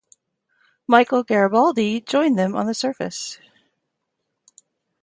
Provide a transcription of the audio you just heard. Michael Garibaldi joined them on the surface.